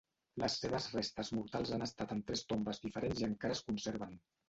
Les seves restes mortals han estat en tres tombes diferents i encara es conserven.